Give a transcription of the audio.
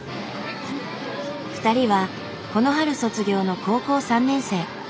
２人はこの春卒業の高校３年生。